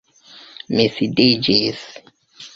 Mi sidiĝis.